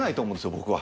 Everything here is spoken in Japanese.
僕は。